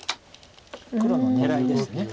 黒の狙いです。